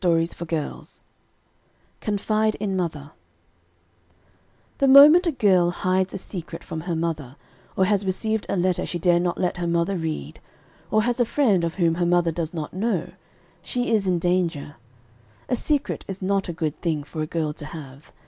CONFIDE IN MOTHER The moment a girl hides a secret from her mother, or has received a letter she dare not let her mother read, or has a friend of whom her mother does not know, she is in danger. A secret is not a good thing for a girl to have.